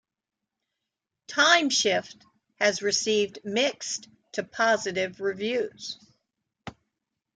"TimeShift" has received mixed to positive reviews.